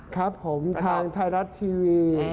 ครับผมทางไทยรัฐทีวี